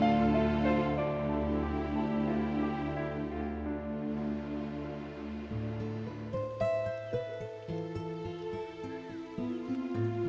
kementerian residen servedisi dan pengaturan namamu semua berjanji